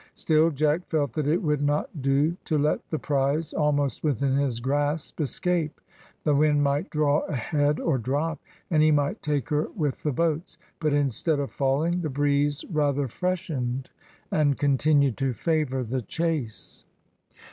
Still Jack felt that it would not do to let the prize, almost within his grasp, escape; the wind might draw ahead or drop, and he might take her with the boats. But instead of falling, the breeze rather freshened and continued to favour the chase.